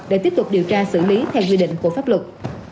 để tiếp tục điều tra xử lý theo quy định của pháp luật